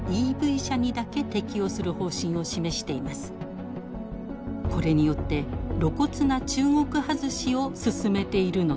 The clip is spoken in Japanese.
これによって露骨な中国外しをすすめているのです。